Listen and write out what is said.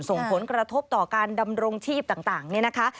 ส่งผลกระทบต่อการดำรงชีพต่างเนี่ยนะคะ